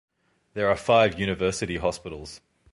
There are five university hospitals.